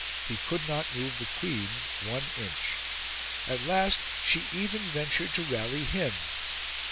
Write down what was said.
He could not move the Queen one inch. At last, she even ventured to rally him.